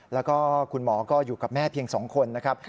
แล้วก็คุณหมอก็อยู่กับแม่เพียง๒คนนะครับ